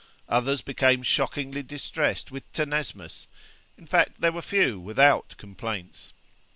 Others became shockingly distressed with tenesmus; in fact, there were few without complaints.